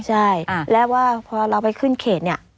ใช่แล้วว่าพอเราไปขึ้นเขตเนี่ย